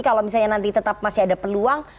kalau misalnya nanti tetap masih ada peluang